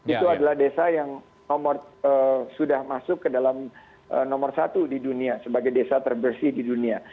itu adalah desa yang sudah masuk ke dalam nomor satu di dunia sebagai desa terbersih di dunia